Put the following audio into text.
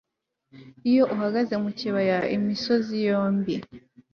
iyo uhagaze mu kibaya, imisozi yombi